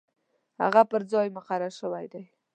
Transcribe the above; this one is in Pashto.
هغه پر ځای مقرر شوی دی.